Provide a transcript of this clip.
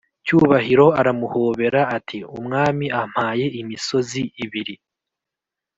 cyubahiro aramuhobera ati"umwami ampaye imisozi ibiri